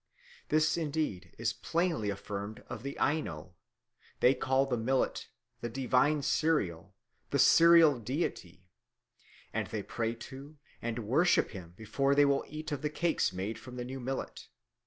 This indeed is plainly affirmed of the Aino: they call the millet "the divine cereal," "the cereal deity," and they pray to and worship him before they will eat of the cakes made from the new millet.